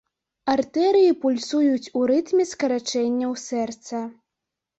Артэрыі пульсуюць ў рытме скарачэнняў сэрца.